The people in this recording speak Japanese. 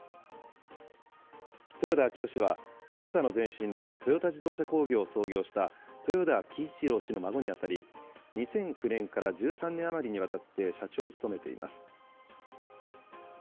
豊田章男氏は、トヨタの前身のトヨタ自動車工業を創業した豊田喜一郎氏の孫に当たり、２００９年から１３年余りにわたって社長を務めています。